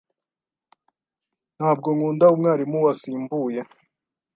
Ntabwo nkunda umwarimu wasimbuye.